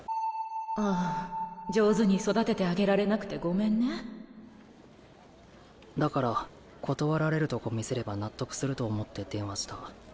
あっ上手に育ててあげられなくてだから断られるとこ見せれば納得すると思って電話した。